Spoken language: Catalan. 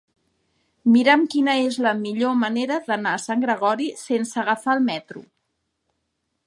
Mira'm quina és la millor manera d'anar a Sant Gregori sense agafar el metro.